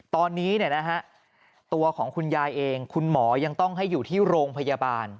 ตอนนี้ตัวของคุณยายเองคุณหมอยังต้องให้อยู่ที่โรงพยาบาล